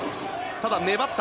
ただ、粘った。